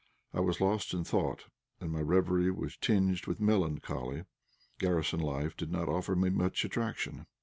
I was lost in thought, and my reverie was tinged with melancholy. Garrison life did not offer me much attraction.